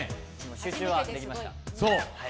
集中はできました。